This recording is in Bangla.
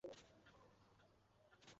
আমি বাড়ি থেকে বের হবো না।